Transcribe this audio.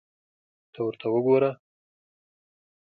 ته ورته وګوره !